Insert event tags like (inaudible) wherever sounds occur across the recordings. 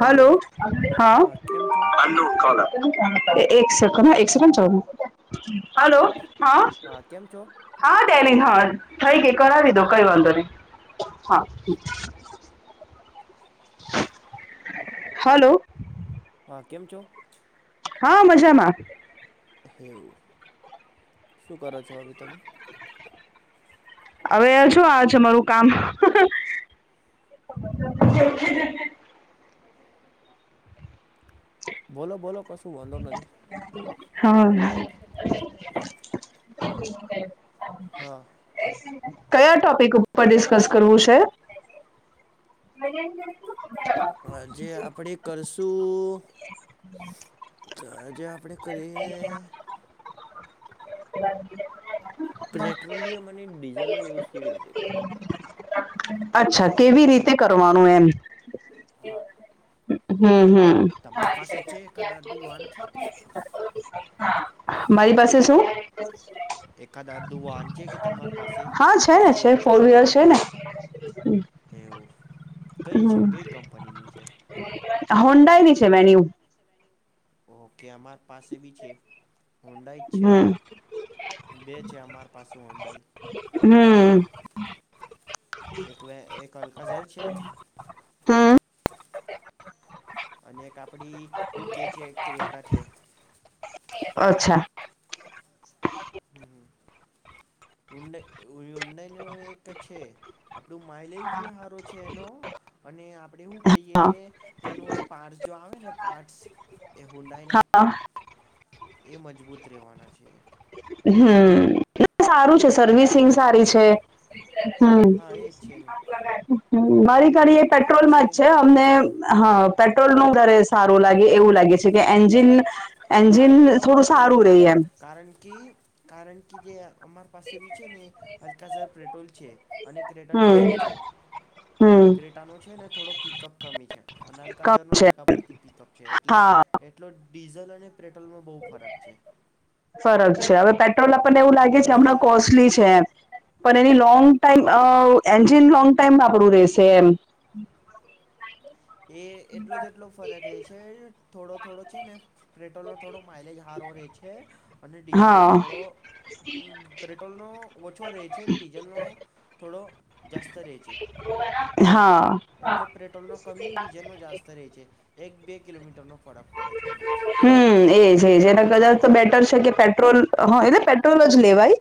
Hello હા કેમ છો? હા એક સકન્ડ એક સકડ ચ હલો હા કેમ છો હા ડેલીન હા થઈ ગઈ કરાવી દો કઈ વાંધો નહી હા હલોલો હા કેમ છો હા મજામાં હેવું શું કરો છો અભી તમે હવે છો આજ મારું કામ કેકે બોલો બોલો કશું વાંધો નથી હમ (inaudible) હા કયા ટોપિક ઉપર ડિસ્કસ કરવું છે મ જે આપણે કરશું હ તોજે આપડે કરીએ બ પેટ્રોલિયમ અને ડીઝલનો યુઝ કેવી રીતે કરવાનો અચ્છા કેવી રીતે કરવાનું એમ હમ હમ તમારી પાસે છે એક દાદુ વાન છે મારી પાસે શું એકાદ અર્ધુ વાન છે કે તમારી પાસે હા છે કે ને શું છે ફોર એકાદ વ્હીલર છે ને એવું કઈ છે કઈ કંપનીની છે હોન્ડાાઈની છે વેન્યુ ઓહકે અમારે પાસે ભી છે હુંડાઈ જ છે હમ બે છે અમારી પાસે હુંડાઈ હમ એક વ એક અલકાઝર છે હમ અને એક આપડી ઉ કે છે કેટા છે અચ્છા હમહુંડાઈનું એક છે આપણું માઇલેજ બી સારો છે એનો અને આપણેે શું કહીએ હા એનું એ પાર્ટ જો આવે ને પાર્ટસ એ હુંડાયના હા એ મજબૂત રહેવાના છે હમ સારું છે. એ સવિસિંગ બી સારી છે હા એ જ છે ને પણ એ પેટ્રોલમાં છે તમને પેટ્રોલ નો વધારે સારું લાગે એવું લાગે છે કે એન્જિન હા એન્જિન એ તમ થોડું બરાબર સારું બોલે રહી છે એમ કારણ કે કારણ કે જે અમારા પાસે બી છે ને હલકાઝર પેટ્રોલ છે અને ક્રેટર હમ ડીઝલ છે હમ ક્રેટાનો છે ને થોડો પિકઅપ કમી છે અને અલકાઝર ન કમ છે જગા પરથી પિકઅપ છે એટલે હા એટલો ડીઝલ અને પેટ્રોલમાં બહુ ફરક છે. ફરક છે હવે પેટ્રોલ આપણને એવું લાગે છે ડીઝલ હમણાં અને ઈ કોસ્ટલી છે એમ. પણ એની લોંગ ટાઈમ હા હા એ જે લોંગ ટાઈમ આપડું રહેશે એમ. એ એટલો જ એટલો ફરક રહેે છે થોડો થોડો છે ને. પેટ્રોલનો થોડો માઇલેજ હારો રહે છે અને ડીઝલનો હા થોડો પેટ્રોલ નો ઓછો રહે છે ડીઝલ નો થોડો જાસ્ત રહી છે. હા. એટલે પેટ્રોલનો કમી ડીઝલનો જાસ્ત રહે છે એક બે કિલોમીટરનો ફરક પડે છે એનામાં આપણે હમ કઈ એજ લોંગ એજ ટ્રીપ એના પર કદાચ જતા તો હોય બેટર તો કે પેટ્રોલ હા એલે પેટ્રોલ જ લેવાય.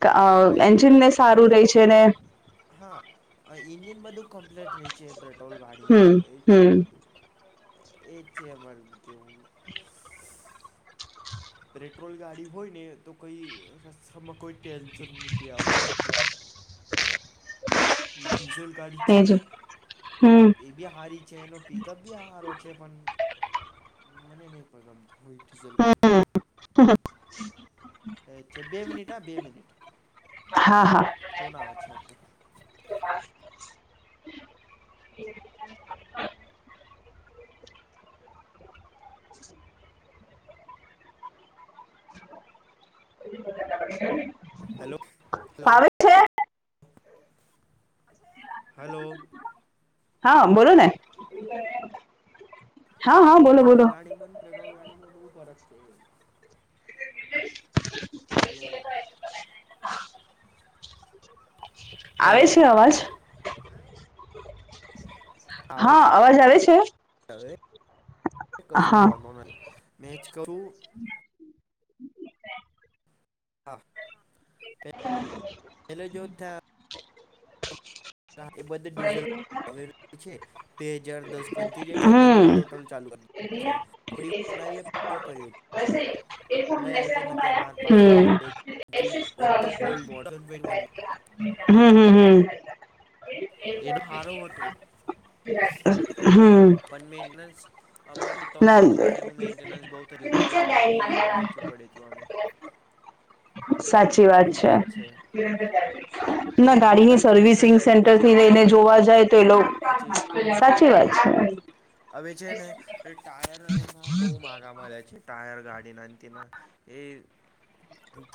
કે હા એટલે એન્જિન ને સારું હવે જો રહી છે ને. હા ઇન્જિન બધું કમ્પ્લેટ રહી છે બ. પેટ્રોલ ગાડીનું હમ એ જ છે હમ બધું એ જ છે અમાર કેવું પેટ્રોલ ગાડી હોય ને તો કઈ રસ્તામાં કોઈ ટેન્શન નથી આવતું. ડીઝલ ગાઢી છે એજ ને હમ એ બી હારી છે એનો પિકઅપ બી સારો છે પણ મને નહીં પણ ગમતું હય ડીઝલ ગાડી. હા અચ્છા બે મિની ટ હ બે મિનિટ. હા હા ફોન આવે છે ઓકે. (unintelligible) હલો હલો આવે છે હલો હા બોલો ને હા હા છે બોલો બોલો જેલ ગાણી મન પ્રેર ગાણીમાં ફરક છે (unintelligible) હલો હેલો આવે છે અવાજ? (unintelligible) હા અવાજ આવે છે? હવે કશું હા વાંધો નહી મેચ કરું. આ (inaudible) પેલો જોથા એ બધ ડીઝલવે છે બે હજાર દસ કથી જે છે બધું હમ પ્રેટ્રોલ ચાલુ કર. આપડી (unintelligible) કહ્યું ઊડા આઇટન હત માર પાસે પહેલે એક જૂન ઉ્દમ. ઓલ્ડ મોડ હમ હમ હમ. એનો સારો હતો હમ પનમેન નસ અમારે ત્રણ ના ત્રણ ગાડીનું મેન્ટેનન્સ બહુ થયું હતું એના માટે એને વેચવું પડ્યું હતું અમે. સાચી વાત એ છે જ ના એ ગાડીની મેન્ટેનન્સ બહુ થઈ સર્વિસિંગ જાય તો સેન્ટર પછી થી આપણે લઈને કોને જોવા કોને જાય તો એ લોકો પછી સાચી વાત છે હવે છે ને ટાયર એના બહુ માગા મળ્યા છે ટાયર ગાડીના તના એ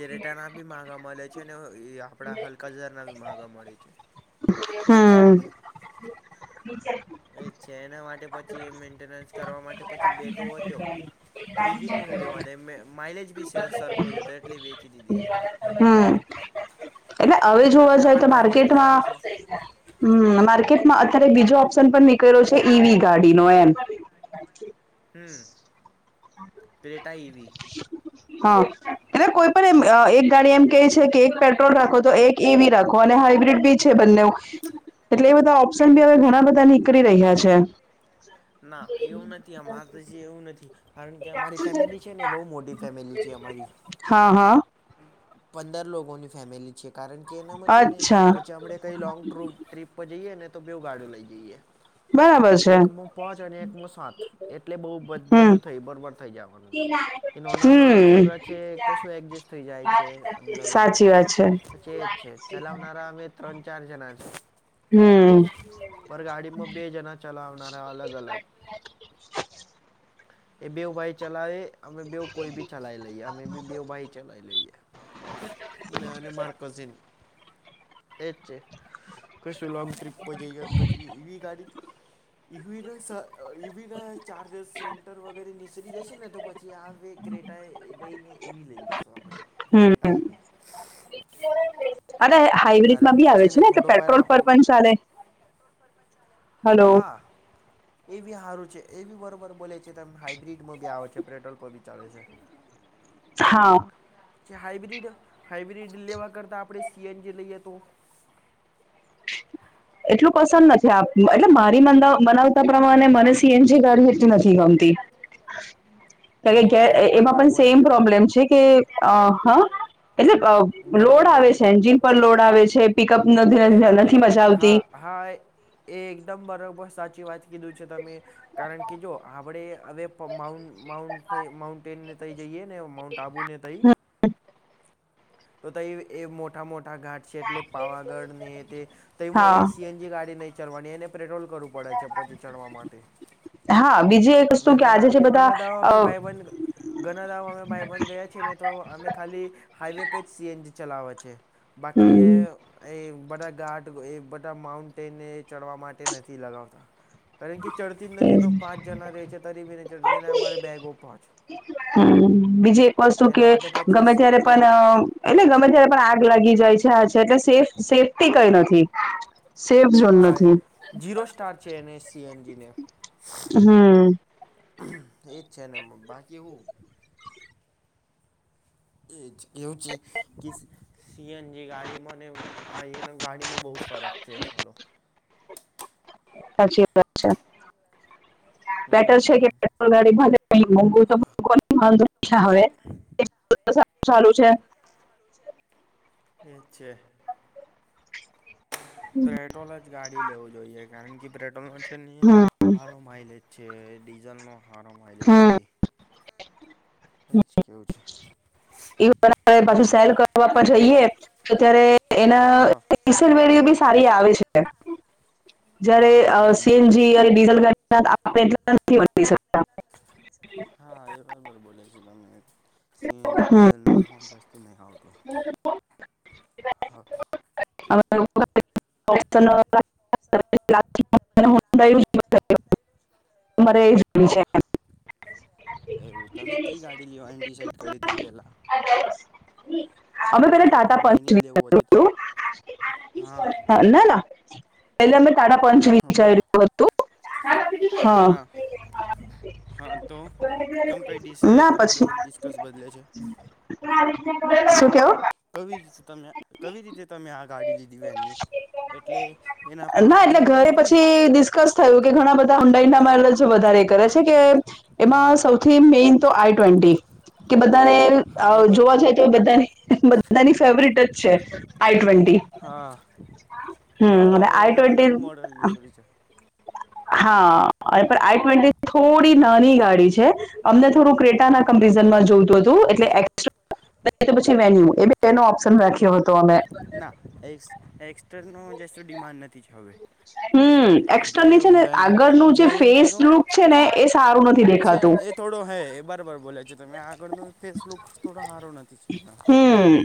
કિરેટાના બી માગા મળલ છે ને એ આપડા હલકા જજાર ના માગા મળે છે હમ એ છે એના માટે પછી એ મેન્ટેનન્સ કરવા માટે પછી બે તો હોત્યો ત્રીજી ને હું રેવા દે (unintelligible) મેં માઇલેજ બી સે સરખો જ હતો એટલે વેચી દીધી હતી. હમ એટલે હવે જોવા એટલે જાય અમારા તો ભાઈબંધને ચાલી છે માર્કેટમાં હમ માર્કેટમાં અત્યારે બીજો ઓપ્શન પણ નીકળ્યો છે ઈવી ગાડીનો એમ હ પ્લેટ એવી હા એ કોઈ પણ એમ એક ગાડી એમ કે છે કે એક પેટ્રોલ રાખો તો એક ઈવી રાખો અને હાઈબ્રિડ બી છે બને એટલે એ બધા ઓપ્શન બી હવે ઘણા બધા નીકળી રહ્યા છે ના એવું નથી આ મા તોછ એવું નથી કારણ કે અમારી ફેમિલી છે ને બહુ મોટી ફેમિલી છે અમારી હા હા પંદર લોકોની ફેમિલી છે કારણ કે એનામાં છે ને અચ્છા પછી આપણે કઈ લોંગ ટ્રુપ ટ્રીપ પર જઈએ ને તો બેુ ગાડીઓ લઈ જઈએ બરાબર છે પોચ અને એક મો સાત એટલે બહ હમ બધું થય બરોબર થઇ જવાનું છે કે નાના નાના હમ છોકરા છે કશું એડજસ્ટ થઈ જાય છે અંદર ઉંદર સાચી વાત છે છેજ છે ચલાવનામે ત્રણ ચાર જણા છ હમ પર ગાડીમાં બે જણા ચલાવનાર અલગ અલગ એ બે ઉપભાય ચલાવે અમે બે કોઈ બી ચલાવી લઈએ અમે બી બેવ ભાઈ ચલાવી લઈએ મે અને્યો મારકઝિન એ જ છે કશું લ લોંગ ટ્રીપ પર જઈએત પછી એવી ગાડી ઈવી ના ઈવી ના ચાર્જેસ સેન્ટર વગેરે નીચરી જશે ને તો પછી આ હવે ક્રેટા એ દઈને એવી લઈ લેશું આપણે ક્રેટા એ બી અરે હાઈબ્રિડમાં કારણ બી કે આવે છે ને એટલે થોડો પાર પેટ્રોલ પર આપણો પણ ચાલે હલો હા એ બી સારું છે એ બી બરોબર બોલે છે હાઈબ્રિડમાં બી આવે છે પેટ્રોલ પર બી ચાલે છે (inaudible) હા હાઈબ્રીડ હાઈબ્રીડ લેવા કરતા આપણે સીએનજી લઈએ તો (inaudible) એટલું પસંદ નથી આપ એટલે મારી બનાવતા પ્રમાણે મને સીએનજી કર એ નથી ગમતી ધન્યવાદ કાર કે એમાં પણ સેમ પ્રોબ્લેમ છે કે હ એટલે તમે બરાબર લોડ આવે બોલે છે એન્જિન પર લોડ આવે છે પિકઅપ એ નથી તમને મજા આવતી હા હાય એ એકદમ બરોબર સાચી વાત કીધું છે તમે કારણ કે જો આપણેે હવે માઉન્ટ માઉન્ટેનને ત જઈએ ને માઉન્ટ આબુને તઈ. તો ત એ મોટા મોટા ઘાટ. એટલે પાવાગઢ ને તે તું હા એ સીએનજી ગાડી નહીં ચાલવાની એને પેટ્રોલ કરું પડે છે પછી ચડવા માટે હા બીજી એક અમે વસ્તુ કે આજે જે ઘણા બધા બંધ ઘણા દાવ અમે બાયબંધ ગયાી ને તો અમે ખાલી હાઈવે પે જ સીએનજી ચલાવા છે બાકી એ હમ એ બધા ગાટ એ બધા માઉન્ટેન એ ચડવા માટે નથી લગાવતા કારણ કે ચડતી જ નથી તો પાંચ જણા રહે છે તરી બીને ચડતીને અમારે બેગો પાંચ હ બીજી એક વસ્તુ એના કે માટે પછી ગમે સી ત્યારે પણ એટલે ગમે ત્યારે પણ આગ લાગી જાય છે હ એટલે સેફ સેફ્ટી કઈ નથી. સેફ ઝોન હા એ નથી જીરો સ્ટાર છે એને સી એનજી ને. હમ એજ છે ને બાકી એવું. એ એ છે કે સીએનજી ગાડીમાં ને આના ગાડીમાં બહુ ફરક છે ચાલો સાચી વાત છે બેટર છે કે પેટ્રોલ ગાડી ભલે મોઘુ તો હવેર સારું છે. વે છેે પેટ્રોલ જ ગાડી લેવું જોઈએ કારણ કે પેટ્રોલ ન છે નહી હમ સારો માઈલેજ છે ડીઝલનો સારો માઈલેજ નથી. હ એ જ કેવું છે એવ પાછ હમ સેલ કરવા પણ જઈએ અત્યારે હા એનાસલવેરીઓ બી સારી આવે છે હા જયારે આપણી અમાઉન્ટ સીએનજી અને ડીઝલ ગાડી આપણે નથીતા હા એ બરાબર બોલે છો તમે. સી એનજીી હમ ચલનોફ જાસ્તી મેગા આવ હતો હા. હ (unintelligible) (unintelligible) એવું તમે કઈ ગાડી લેવાની ડિસાઈડ કરી હતી પેલા? (unintelligible) અમે પે ડાયરેક્ટ ટાટા પંચ હુંડાઈની જ લેવું હતી (unintelligible) હા ના ના એલે અ ટાટા પંચ હા બોલો વિચાર્યું હતું હા. હા તો કેમ કંઈ ડિસ ના પછી તમારું ડિસ્કસ બદલે છે શું કેવું? વી રીતે તમે કવી રીતે તમે આ ગાડી લીધી વ એન્યુ? એટલે એના પાઠ જોઈને લીધી ને? થય કે ઘણા બધા ઊંડાઈનામાંજ વધારે કરે છે કે એમાં સૌથી હા મેન તો આઈ ટ્વેન્ટી હા એ બા જોવા બરોબર જાય તો બધા બધાની ફેવરટ જ છે આઈ ટ્વેન્ટી. હા હમ એટલે અને હવે આઈ એનામાં નવું મોડલ ટ્વેન્ટી ની સુધ છે. હા પણ આઈ ટ્વેન્ટી થોડી નાની ગાડી છે અમને થોડું ક હા કંપરિઝં માં જોતું હતું. એટલે પછી વન્યુ એ બેનો ઓપ્શન રાખ્યો હતો અમે ના એસ એક્સ્ટાનો જસ્ ડિમાન્ડ નથી છે હવે. હમ જે એક્સર્ની છે ને ઊંડાઈનો આગળનું જે ફેસ ઊંડાઈનો લુક છે ને એ સારું નથી છે દેખાતું. એ થોડો હે એ બરાબર બોલે છે તમે આગળનો ફેસલુક થોડો સારો નથી છે એ. હમ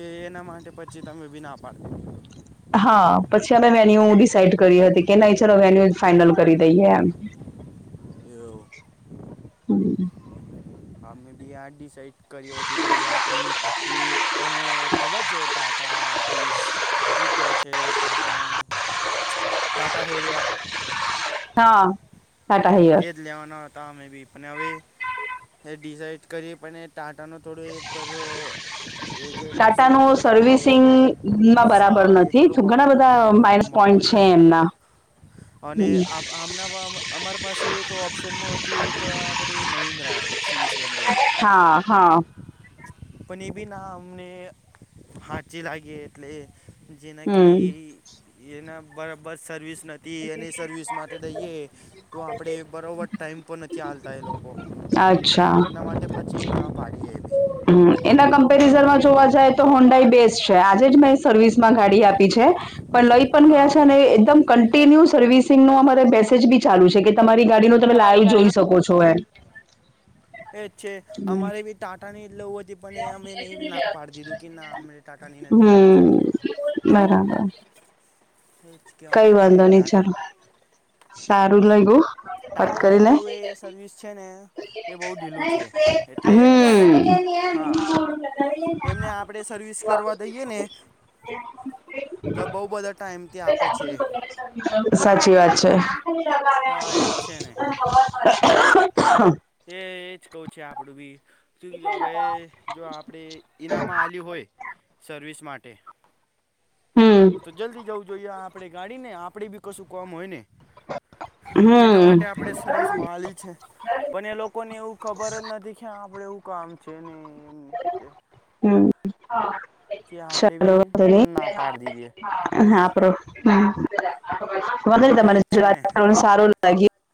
એ એના માટે પછી તમે બી ના પાડ હા પછી અમે વેન્યુ ડિસાઈડ કરી હતી કે નહી ચાલ વેન્યુ ફાઈનલ કરી દઈએ એમ. એવુ. બરા હા મે બી આ ડિસાઇડ કર્યો હતી પેલી આપડી તમે ખબર છે? ટાંટા આપણી એ કહે છે ટાંટા. ટાટા એરિયર. હા, આટા હયર. એ જ લેવાના હતા અમે બી. પણ હવે એ ડિસાઇડ કરીએ પણ એ ટાંટાનો થોડું એ પરુ. ટાટા નું સર્વિસિંગમાં બરાબર શા એ નથી થોડું તો ઘણા મોં- બધા અ, માઇન્ મોંઘું પોઈન્ટ છે એમના. અને હમ આ આમના પમ અમારા પાસે એક ઓપ્શનમાં હતી એક આપડી મહિન્દ્રા એકસ વીસન ડબલ ઓર. હા, હા. પણ એ બી ના અમને હાચી લાગી એટલે જેનાકી હમ એના બરાબસ સર્વિસ નથ તી એની સર્વિસ માટે દઈએ તો આપણે બરાબર ટાઈમ પર નથી હાલતા એ લોકો. અચ્છા. એના માટે પછી ના પાડીએ એવી. હમ્મ, એના કમ્પેરિઝનમાં જોવા જાય તો હોન્ડાઈ બેસ્ટ છે આજે જ મેં સર્વિસમાં ગાડી આપી છે. પણ લઈ પણ ગયા હા છે અને એકદમ કન્ટિન્યુ સર્વિસિંગ નો અમારે મેસેજ બી ચાલુ છે કે તમારી ગાડી ને તમે લાઈવ જોઈ શકો છો એમ. એ જ છે અમારે બી ટાંટાની લેવી હતી પણ એ અમે નહી ના પાડી દીધું કે ના અમે ટાટા ની નથી લઉં છે. હમ હમ બરાબર. એ જ કઈ કેવાના છે વાંધો નહી ટાટા ચાલો સારું લાગું. ટાટાનું થોડું એ સર્વિસ છે ને એ બહુ ઢીલું છે. એટલે હમ હા એમને આપણે સર્વિસ કરવા દઈએ ને તો બઉ બધા ટાઈમ ત્યાં આપે છે. સાચી વાત છે. હા એજ છે ને, એ એજ કવું છે આપડું બી. શું હવે જો આપણે ઇનામ આલયું હોય સર્વિસ માટે હમ્મ. તો જલ્દી જવું જોઈએ આપણે ગાડી ને આપણે બી કશું કોમ હોય ને. એના હમ માટે આપણે સર્વિસમાં આલી છે પણ એ લોકોને એવું ખબર જ નથી કે આપડે એવું કામ છે ને એમ. હમ્મ. જે આપણેે ભી ના પાડી દીધી. અને આપડે મને હા તમાર એજ સાથ છે ને વાત કરવા સારું લાગ્યું.